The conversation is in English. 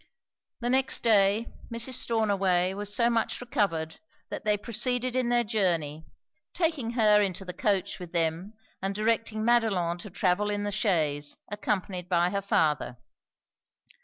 The next day Mrs. Stornaway was so much recovered that they proceeded in their journey, taking her into the coach with them and directing Madelon to travel in the chaise, accompanied by her father.